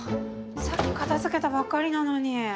さっき片づけたばっかりなのに。